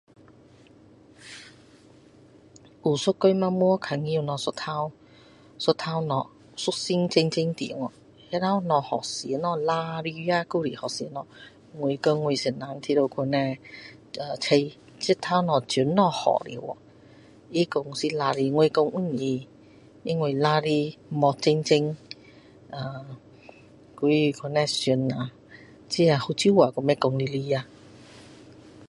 "”shh"" 有一天晚上看见到物一头，一头物一身针针满哦，那头物叫什么豪猪啊还是什么。我那天我先生一直讲啊，猜，这头物怎么叫了哦，他说是穿山甲，我说不是。因为穿山甲没针针，还在这样想啦，这福州话还讲不来啊！"